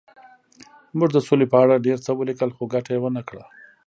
موږ د سولې په اړه ډېر څه ولیکل خو ګټه یې ونه کړه